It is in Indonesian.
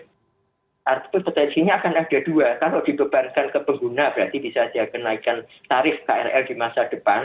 jadi potensinya akan ada dua kalau dibebankan ke pengguna berarti bisa saja kenaikan tarif krl di masa depan